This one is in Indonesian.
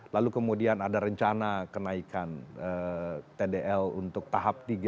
lalu kemudian ada rencana kenaikan tdl untuk tahap tiga